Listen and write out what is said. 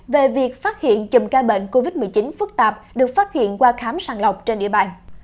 về việc phát hiện chùm ca bệnh covid một mươi chín phức tạp được phát hiện qua khám sàng lọc trên địa bàn